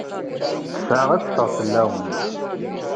Ttesɛa ad teffeɣ fell-awent.